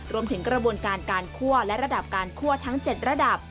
รวมถึงกระบวนการการคั่วและระดับการคั่วทั้ง๗ระดับ